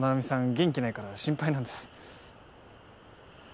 元気ないから心配なんです。